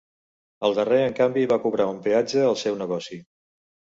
El darrer en canvi va cobrar un peatge al seu negoci.